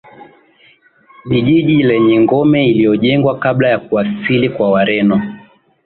Ni jiji lenye ngome iliyojengwa kabla ya kuwasili kwa Wareno